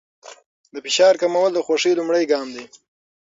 د فشار کمول د خوښۍ لومړی ګام دی.